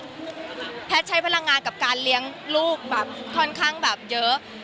แพทย์ใช้พลังงานกับการเลี้ยงลูกแบบค่อนข้างแบบเยอะ